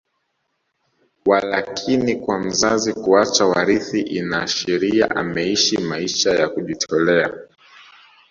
Walakini kwa mzazi kuacha warithi inashiria ameishi maisha ya kujitolea